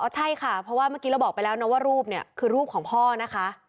ใช่ค่ะเพราะว่าเมื่อกี้เราบอกไปแล้วนะว่ารูปเนี่ยคือรูปของพ่อนะคะ